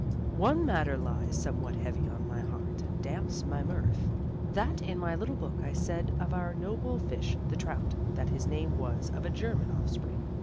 One matter lies somewhat heavy on my heart and damps my mirth, that in my little book I said of our noble fish the trout that his name was of a German offspring.